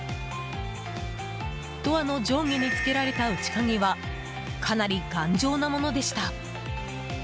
ドアの上下に付けられた内鍵はかなり頑丈なものでした。